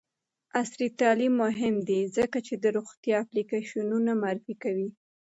عصري تعلیم مهم دی ځکه چې د روغتیا اپلیکیشنونه معرفي کوي.